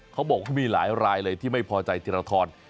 เขาบอกว่ามีหลายรายเลยที่ไม่พอใจธิรทร